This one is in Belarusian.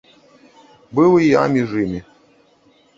Быў і я між імі.